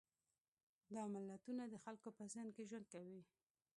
دا ملتونه د خلکو په ذهن کې ژوند کوي.